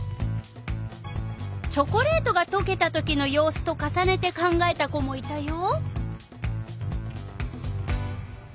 チョコレートがとけたときの様子と重ねて考えた子もいたよ。